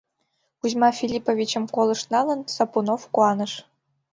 Кузьма Филипповичым колышт налын, Сапунов куаныш: